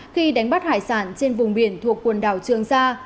khi đánh bắt hải sản trên vùng biển thuộc quần đảo trường sa